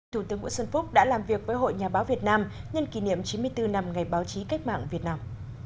thủ tướng nguyễn xuân phúc đã làm việc với hội nhà báo việt nam nhân kỷ niệm chín mươi bốn năm ngày báo chí cách mạng việt nam